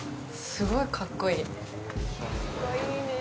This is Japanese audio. すごいかっこいい。